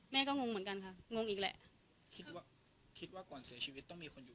แม่ก็งงเหมือนกันค่ะงงอีกแหละคิดว่าคิดว่าก่อนเสียชีวิตต้องมีคนอยู่